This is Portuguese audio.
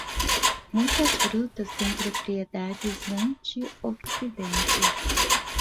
Muitas frutas têm propriedades antioxidantes.